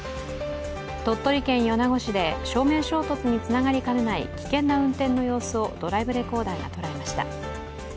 鳥取県米子市で正面衝突につながりかねない危険な運転の様子をドライブレコーダーが捉えました。